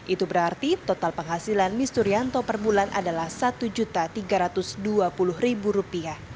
itu berarti total penghasilan mis turianto per bulan adalah rp satu tiga ratus dua puluh